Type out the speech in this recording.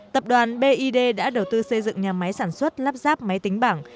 tập đoàn bid đã đầu tư xây dựng nhà máy sản xuất lắp ráp máy tính bảng